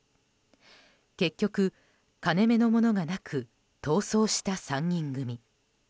結局、金目の物がなく逃走した３人組。